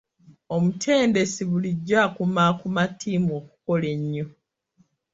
Omutendesi bulijjo akumaakuma ttiimu okukola ennyo.